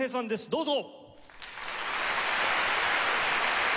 どうぞ！